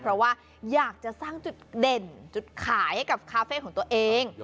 เพราะว่าอยากจะสร้างจุดเด่นจุดขายให้กับคาเฟ่ของตัวเอง